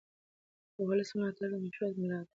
د ولس ملاتړ د مشروعیت ملا ده